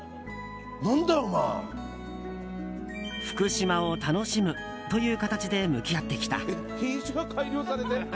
福島を楽しむという形で向き合ってきた。